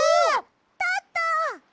たった！